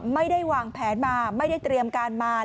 ไม่ได้วางแผนมาไม่ได้เตรียมการมา